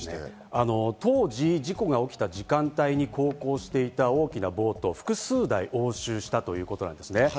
当時、事故が起きた時間帯に航行していた大きなボート複数台を押収したということなんですね。